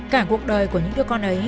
cả cuộc đời của những đứa con ấy